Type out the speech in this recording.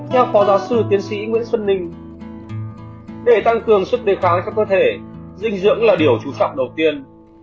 theo phó giáo sư tiến sĩ nguyễn xuân ninh để tăng cường sức đề kháng cho cơ thể dinh dưỡng là điều trú trọng đầu tiên